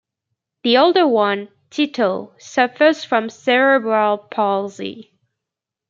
The older one, Tito, suffers from cerebral palsy.